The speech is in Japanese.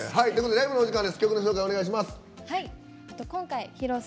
ライブのお時間です。